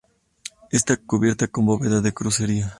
Está cubierta con bóveda de crucería.